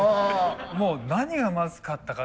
もう何がまずかったか。